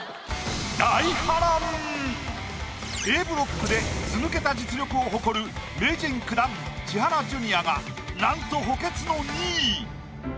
Ａブロックでずぬけた実力を誇る名人９段千原ジュニアがなんと補欠の２位！